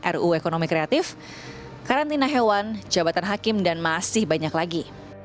ruu ekonomi kreatif karantina hewan jabatan hakim dan masih banyak lagi